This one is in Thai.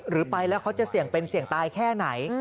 หรือไปแล้วเขาจะเสี่ยงเป็นเสี่ยงตายแค่ไหน